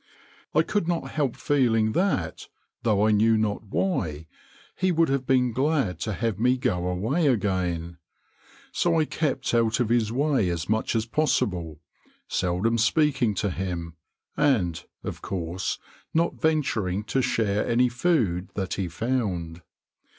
I could not help feeling that, though I knew not why, he would have been glad to have me go away again. So I kept out of his way as much as possible, seldom speaking to him, and, of course, not venturing to share any food that he found.